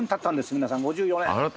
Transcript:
皆さん５４年。